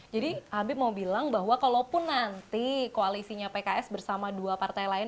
jadi abib mau bilang bahwa kalaupun nanti koalisinya pks bersama dua partai lain